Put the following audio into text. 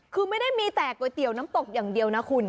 คือไม่ได้มีแต่ก๋วยเตี๋ยวน้ำตกอย่างเดียวนะคุณ